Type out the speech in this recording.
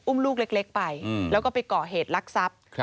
อุ้มลูกเล็กไปแล้วก็ไปก่อเหตุลักษณ์ทรัพย์